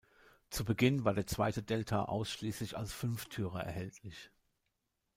Zu Beginn war der zweite Delta ausschließlich als Fünftürer erhältlich.